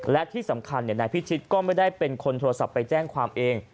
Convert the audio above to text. และที่สำคัญนายพิชิตก็ไม่ได้เป็นคนโทรศัพท์ไปแจ้งความเอง